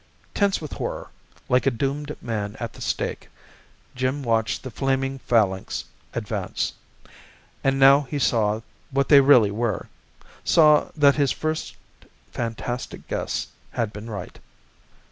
Tense with horror, like a doomed man at the stake, Jim watched the flaming phalanx advance. And now he saw what they really were; saw that his first, fantastic guess had been right.